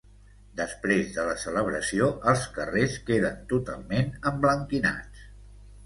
Després de la celebració els carrers queden totalment emblanquinats.